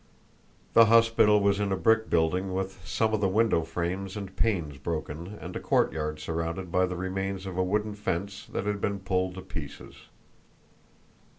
The hospital was in a brick building with some of the window frames and panes broken and a courtyard surrounded by the remains of a wooden fence that had been pulled to pieces.